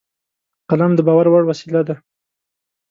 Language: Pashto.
قلم د باور وړ وسیله ده